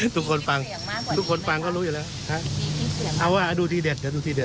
ทุกคนฟังทุกคนฟังก็รู้อยู่แล้วเอาว่าดูทีเด็ดเดี๋ยวดูทีเด็ด